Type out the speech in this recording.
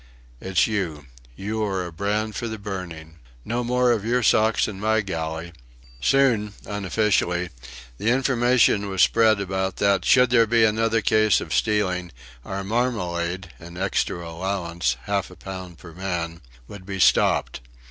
"It's you. You are a brand for the burning! No more of your socks in my galley." Soon, unofficially, the information was spread about that, should there be another case of stealing, our marmalade (an extra allowance: half a pound per man) would be stopped.